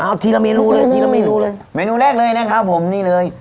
เอาทีละเมนูเลยทีละเมนูเลยเมนูแรกเลยนะครับผมนี่เลย